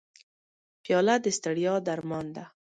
پیاله د ستړیا درمان ده.